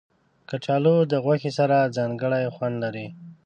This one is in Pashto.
کچالو د غوښې سره ځانګړی خوند لري